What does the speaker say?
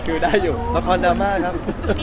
พี่พอร์ตทานสาวใหม่พี่พอร์ตทานสาวใหม่